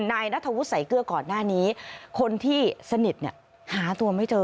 นายนัทวุฒิใส่เกลือก่อนหน้านี้คนที่สนิทเนี่ยหาตัวไม่เจอ